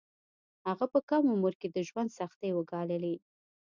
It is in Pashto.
هغه په کم عمر کې د ژوند سختۍ وګاللې